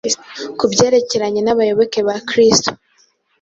ku byerekeranye n’abayoboke ba Kristo.